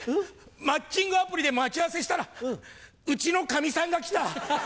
マッチングアプリで待ち合わせしたらうちのカミさんが来た！